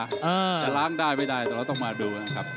จะล้างได้ไม่ได้แต่เราต้องมาดูนะครับ